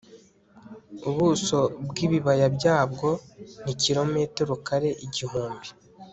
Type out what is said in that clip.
ubuso bwibibaya byabwo ni kilometero kare igihumbi